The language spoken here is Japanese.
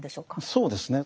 そうですね。